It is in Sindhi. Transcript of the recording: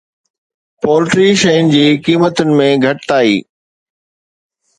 پولٽري شين جي قيمتن ۾ گهٽتائي